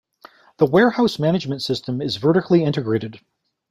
The warehouse management system is vertically integrated.